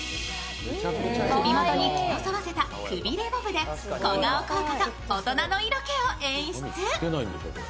首元に毛をそわせたくびれボブで小顔効果と大人の色気を演出。